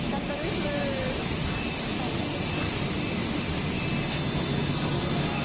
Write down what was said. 素晴らしい大会でした。